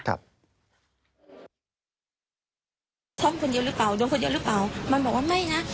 ครับ